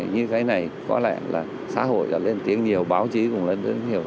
như cái này có lẽ là xã hội đã lên tiếng nhiều báo chí cũng lên tiếng hiểu